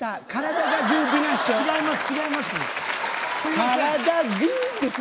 違います。